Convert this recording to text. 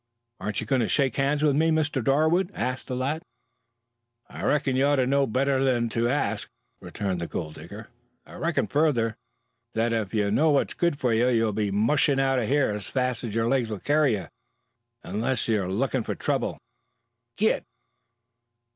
"Aren't you going to shake hands with me, Mr. Darwood?" asked the lad. "I reckon you ought to know better than to ask it," returned the gold digger. "I reckon, further, that if you know what's good for you you'll be mushing out of this as fast as your legs will carry you, unless you are looking for trouble. Git!"